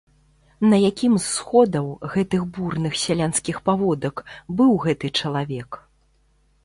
На якім з сходаў, гэтых бурных сялянскіх паводак, быў гэты чалавек?